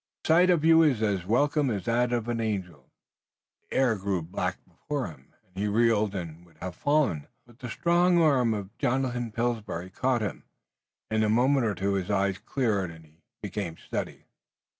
The sight of you is as welcome as that of an angel!" The air grew black before him, and he reeled and would have fallen, but the strong arm of Jonathan Pillsbury caught him. In a moment or two his eyes cleared and he became steady.